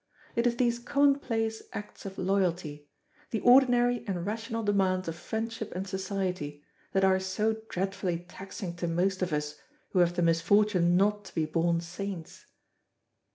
It is these commonplace acts of loyalty, the ordinary and rational demands of friendship and society, that are so dreadfully taxing to most of us who have the misfortune not to be born saints.